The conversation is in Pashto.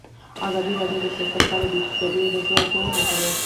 ازادي راډیو د سیاست په اړه د اقتصادي اغېزو ارزونه کړې.